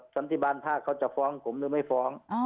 สันติบาลภาคเขาจะฟ้องผมหรือไม่ฟ้อง